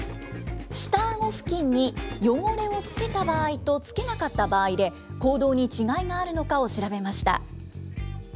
下あご付近に汚れをつけた場合とつけなかった場合で、行動に違いがあるのかを調べました。